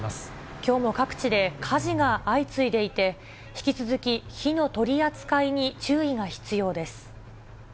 きょうも各地で火事が相次いでいて、引き続き火の取り扱いに注意が必要です。